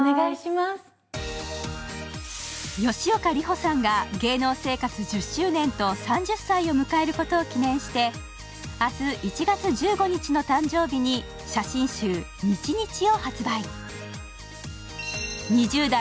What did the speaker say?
吉岡里帆さんが芸能生活１０周年と３０歳を迎えることを記念して明日１月１５日の誕生日に写真集「日日」を発売。